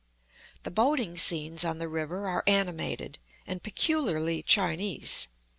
The boating scenes on the river are animated, and peculiarly Chinese.